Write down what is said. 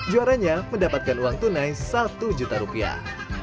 juaranya mendapatkan uang tunai satu juta rupiah